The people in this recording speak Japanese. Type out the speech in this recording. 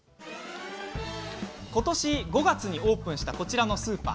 ことし５月にオープンしたこちらのスーパー。